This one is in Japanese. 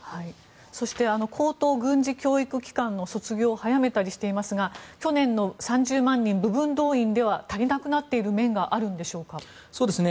そして高等軍事教育機関の卒業を早めたりしていますが去年の３０万人部分動員では足りなくなっている面があるんでしょうか。